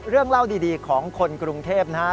เรื่องเล่าดีของคนกรุงเทพนะฮะ